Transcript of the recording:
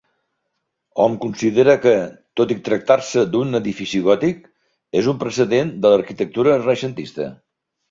Hom considera que, tot i tractar-se d'un edifici gòtic, és un precedent de l'arquitectura renaixentista.